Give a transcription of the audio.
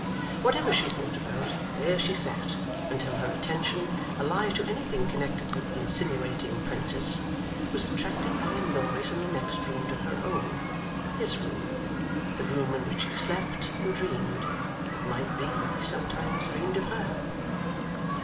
Whatever she thought about, there she sat, until her attention, alive to anything connected with the insinuating 'prentice, was attracted by a noise in the next room to her own his room; the room in which he slept, and dreamed it might be, sometimes dreamed of her.